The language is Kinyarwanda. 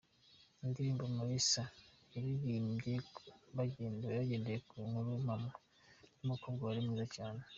Indirimbo ‘Umulisa’ bayiririmbye bagendeye ku nkuru mpamo,…y’umukobwa wari mwiza cyane.